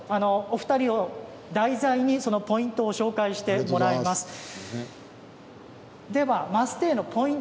お二人を題材にポイントを紹介してもらいます。